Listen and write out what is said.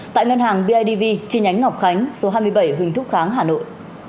tại ngân hàng bidv trên nhánh ngọc khánh số hai mươi bảy hình thúc kháng hà nội